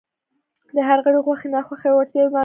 د هر غړي خوښې، ناخوښې او وړتیاوې معلومې کړئ.